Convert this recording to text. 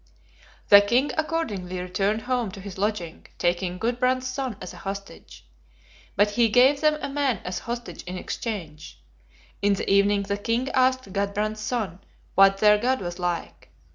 "The king accordingly returned home to his lodging, taking Gudbrand's son as a hostage; but he gave them a man as hostage in exchange. In the evening the king asked Gudbrand's son What their God was like?